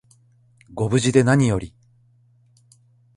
ご無事でなにより